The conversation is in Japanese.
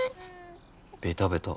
ベタベタ。